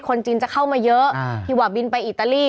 คนจีนจะเข้ามาเยอะที่ว่าบินไปอิตาลี